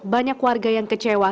banyak warga yang kecewa